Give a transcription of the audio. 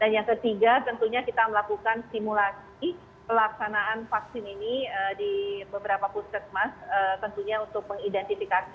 dan yang ketiga tentunya kita melakukan simulasi pelaksanaan vaksin ini di beberapa puskesmas tentunya untuk mengidentifikasi